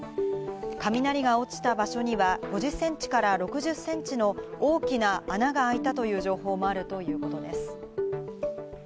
雷が落ちた場所には５０センチから６０センチの大きな穴が開いたという情報もあるということです。